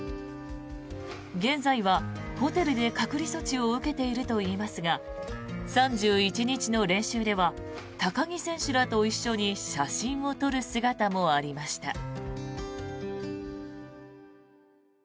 現在は、ホテルで隔離措置を受けているといいますが３１日の練習では高木選手らと一緒に写真を撮る姿もありました。